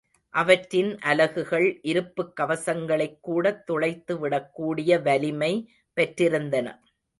அவற்றின் அலகுகள் இருப்புக் கவசங்களைக் கூடத் துளைத்துவிடக் கூடிய வலிமை பெற்றிருந்தன.